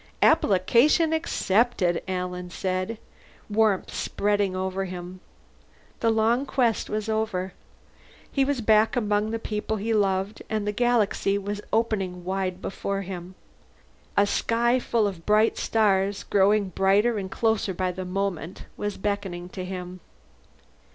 "Application accepted," Alan said. Warmth spread over him. The long quest was over. He was back among the people he loved, and the galaxy was opening wide before him. A sky full of bright stars, growing brighter and closer by the moment, was beckoning to him.